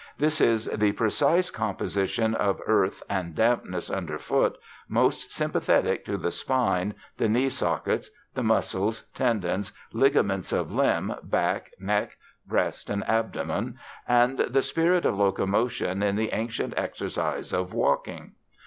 This is the precise composition of earth and dampness underfoot most sympathetic to the spine, the knee sockets, the muscles, tendons, ligaments of limb, back, neck, breast and abdomen, and the spirit of locomotion in the ancient exercise of walking.